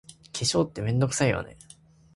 化粧って、めんどくさいよね。